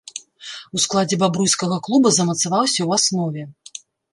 У складзе бабруйскага клуба замацаваўся ў аснове.